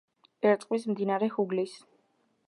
ერწყმის მდინარე ჰუგლის.